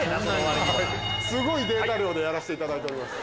すごいデータ量でやらせていただいてます。